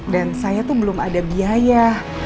dan saya tuh belum ada biaya